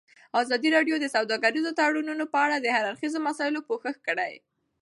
ازادي راډیو د سوداګریز تړونونه په اړه د هر اړخیزو مسایلو پوښښ کړی.